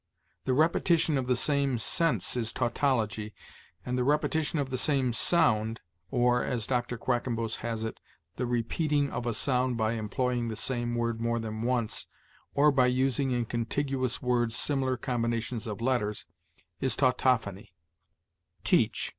The repetition of the same sense is tautology, and the repetition of the same sound, or, as Dr. Quackenbos has it, "the repeating of a sound by employing the same word more than once, or by using in contiguous words similar combinations of letters," is tautophony. TEACH.